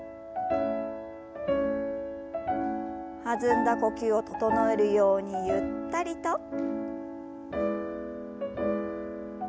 弾んだ呼吸を整えるようにゆったりと。